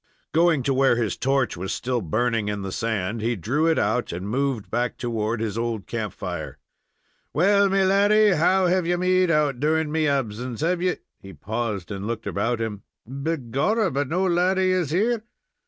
Going to where his torch was still burning in the sand, he drew it out and moved back toward his old camp fire. "Well, me laddy, how have you made out during me absince? Have you " He paused and looked about him. "Begorrah, but no laddy is here.